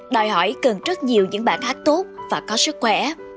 đòi hỏi cần rất nhiều những bạn hát tốt và có sức khỏe